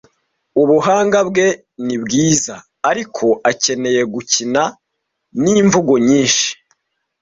Ubuhanga bwe ni bwiza, ariko akeneye gukina nimvugo nyinshi.